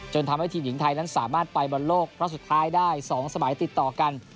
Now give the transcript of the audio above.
ทำให้ทีมหญิงไทยนั้นสามารถไปบอลโลกรอบสุดท้ายได้๒สมัยติดต่อกัน